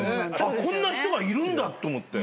こんな人がいるんだと思って。